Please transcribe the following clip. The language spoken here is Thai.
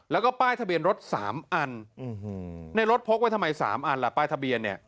แล้วก็ป้ายทะเบียนรถ๓อันในรถพกไว้ทำไม๓อันล่ะป้ายทะเบียนเนี่ย